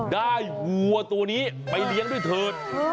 วัวตัวนี้ไปเลี้ยงด้วยเถิด